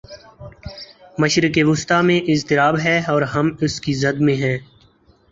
مشرق وسطی میں اضطراب ہے اور ہم اس کی زد میں ہیں۔